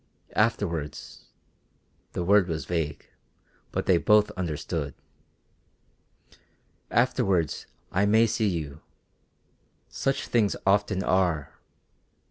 Afterwards " the word was vague, but they both understood "afterwards I may see you. Such things often are.